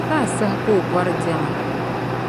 Ka a sahi ka o bɔr’diɛma.